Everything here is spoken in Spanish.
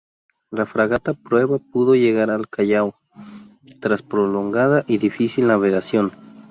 La fragata Prueba pudo llegar al Callao tras prolongada y difícil navegación.